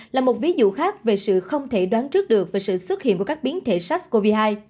là một ví dụ khác về sự không thể đoán trước được về sự xuất hiện của các biến thể sars cov hai